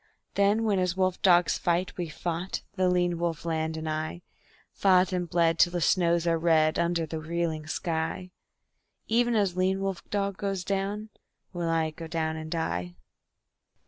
Then when as wolf dogs fight we've fought, the lean wolf land and I; Fought and bled till the snows are red under the reeling sky; Even as lean wolf dog goes down will I go down and die.